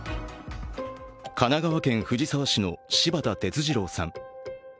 神奈川県藤沢市の柴田哲二郎さん。